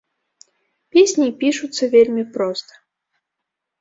Песні пішуцца вельмі проста.